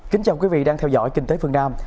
kính chào quý vị đang theo dõi kinh tế phương nam